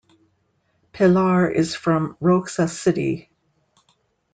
Pilar is from Roxas City.